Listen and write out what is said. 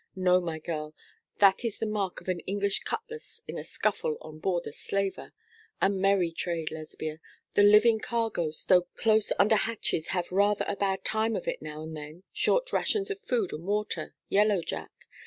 No, my girl, that is the mark of an English cutlass in a scuffle on board a slaver. A merry trade, Lesbia the living cargo stowed close under hatches have rather a bad time of it now and then short rations of food and water, yellow Jack.